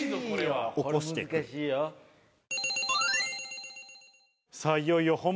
これは難しいよ。